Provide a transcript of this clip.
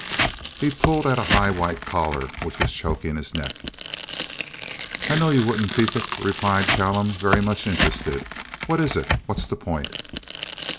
He pulled at a high white collar which was choking his neck. "I know you wouldn't, Pethick," replied Callum; very much interested. "What is it? What's the point?"